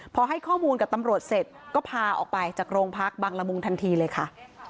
พอให้ข้อมูลกับตำรวจเสร็จก็พาออกไปจากโรงพักบังละมุงทันทีเลยค่ะ